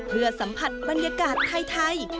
เพื่อสัมผัสบรรยากาศไทย